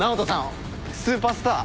スーパースター。